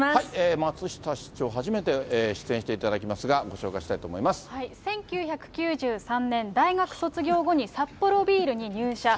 松下市長、初めて出演していただきますが、ご紹介したいと思１９９３年、大学卒業後にサッポロビールに入社。